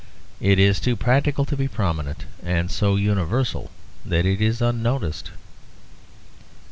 It is too practical to be prominent, and so universal that it is unnoticed.